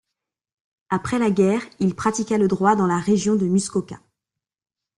Après la guerre, il pratiqua le droit dans la région de Muskoka.